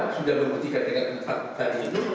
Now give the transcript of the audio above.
sudah membuktikan dengan kontak tadi itu